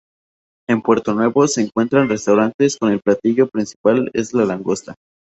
En Puerto Nuevo, se encuentran restaurantes con el platillo principal es la Langosta.